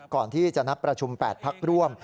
ก่อนที่จะนัดประชุม๘พักร่วม